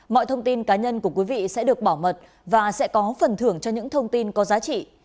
mọi thông tin cá nhân của quý vị sẽ được bảo mật và sẽ có phần thưởng cho những thông tin có giá trị